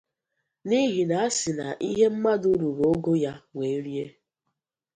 N'ihi na a sị na ihe mmadụ ruru ogo ya wee rie